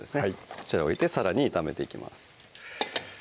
こちらを入れてさらに炒めていきます